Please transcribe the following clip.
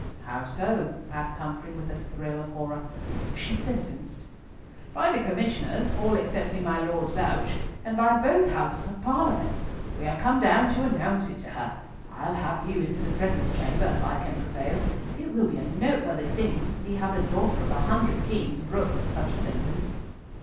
"How so?" asked Humfrey, with a thrill of horror, "is she sentenced?" "By the Commissioners, all excepting my Lord Zouch, and by both houses of Parliament! We are come down to announce it to her. I'll have you into the presence chamber if I can prevail. It will be a noteworthy thing to see how the daughter of a hundred kings brooks such a sentence."